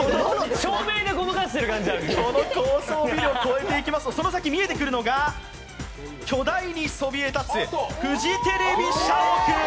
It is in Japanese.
この高層ビルをこえていきます、見えてくるのが巨大にそびえ立つフジテレビ社屋。